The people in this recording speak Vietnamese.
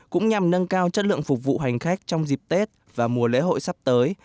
cũng nhằm nâng cao chất lượng phục vụ hành khách trong dịp tết và mùa lễ hội sắp tới